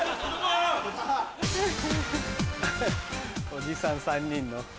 おじさん３人の。